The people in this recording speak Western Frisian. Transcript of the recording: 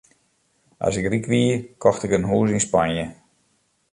As ik ryk wie, kocht ik in hûs yn Spanje.